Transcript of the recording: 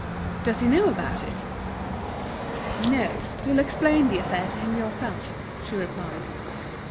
"Does he know about it?" "No, you'll explain the affair to him yourself," she replied.